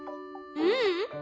ううん。